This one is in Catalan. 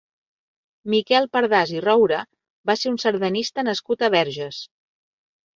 Miquel Pardàs i Roure va ser un sardanista nascut a Verges.